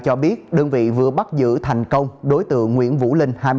cho biết đơn vị vừa bắt giữ thành công đối tượng nguyễn vũ linh